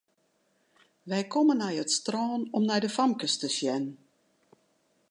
Wy komme nei it strân om nei de famkes te sjen.